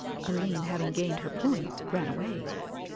Aline having gained her point ran away.